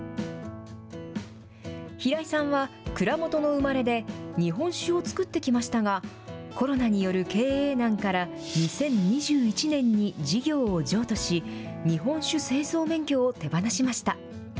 平井さんは蔵元の生まれで、日本酒を造ってきましたが、コロナによる経営難から、２０２１年に事業を譲渡し、日本酒製造免許を手放しました。